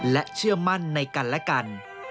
และเชื่อมั่นในกันและกัน